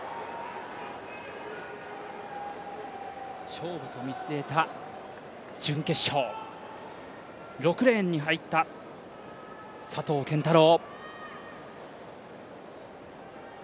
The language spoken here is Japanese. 勝負と見据えた準決勝、６レーンに入った佐藤拳太郎。